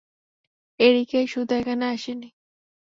এরিকাই শুধু এখানে আসেনি।